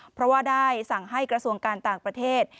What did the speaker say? เพราะว่าได้สั่งให้กระทรวงการต่างประเทศ